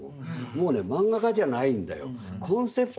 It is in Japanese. もうねマンガ家じゃないんだよ。